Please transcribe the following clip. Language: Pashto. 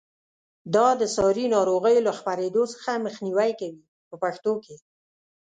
دا د ساري ناروغیو له خپرېدو څخه مخنیوی کوي په پښتو کې.